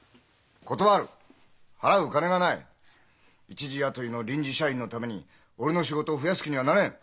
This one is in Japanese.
一時雇いの臨時社員のために俺の仕事を増やす気にはなれん。